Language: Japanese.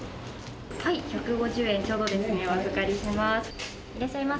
１５０円ちょうどですね、お預かりします。